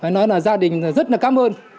nói là gia đình rất là cảm ơn